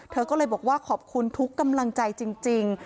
เธอก็เลยบอกว่าขอบคุณทุกกำลังใจจริง